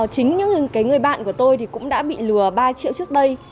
chính những người bạn của tôi thì cũng đã bị lừa ba triệu trước đây